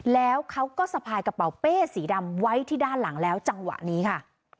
แล้วเขาก็สะพายกระเป๋าเป้สีดำไว้ที่ด้านหลังแล้วจังหวะนี้ค่ะ